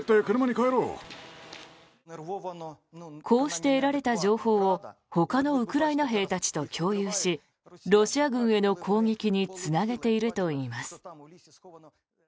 こうして得られた情報をほかのウクライナ兵たちと共有しロシア軍への攻撃につなげているといいます。